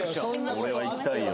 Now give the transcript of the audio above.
俺はいきたいよ